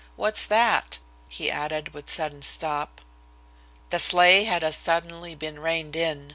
What's that?" he added, with sudden stop. The sleigh had as suddenly been reined in.